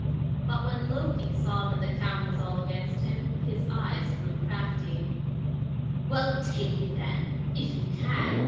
But when Loki saw that the count was all against him, his eyes grew crafty. "Well, take me, then if you can!"